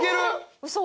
ウソ！